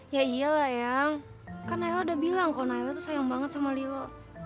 ya iyalah yang kan nailah udah bilang kalau nailah tuh sayang banget sama lilo